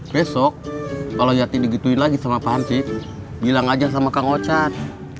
besok kalau yati digituin lagi sama pak ansip bilang aja sama kang ocat